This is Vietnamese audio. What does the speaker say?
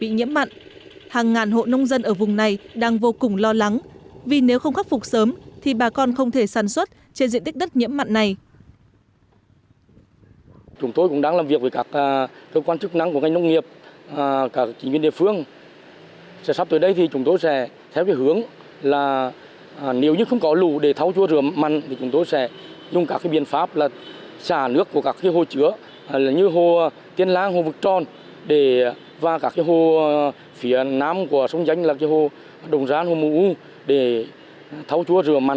nhiều bà con nông dân đang rất lo lắng trước nguy cơ không còn đất nông nghiệp để sản xuất ảnh hưởng đến hàng nghìn hectare đất nông nghiệp